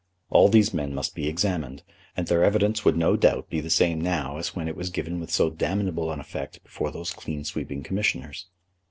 All these men must be examined, and their evidence would no doubt be the same now as when it was given with so damnable an effect before those clean sweeping Commissioners.